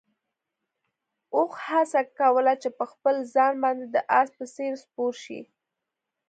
اوښ هڅه کوله چې په خپل ځان باندې د اس په څېر سپور شي.